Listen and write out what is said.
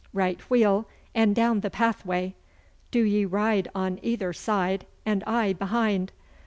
Right wheel, and down the pathway! Do ye ride on either side, and I behind!